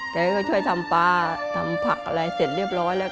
แกก็ช่วยทำปลาทำผักอะไรเสร็จเรียบร้อยแล้ว